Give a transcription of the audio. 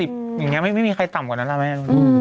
๘๐บาทอย่างนี้ไม่มีใครต่ำกว่านั้นแล้วนะแม่